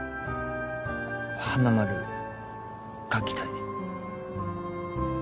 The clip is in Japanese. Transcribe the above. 花丸書きたい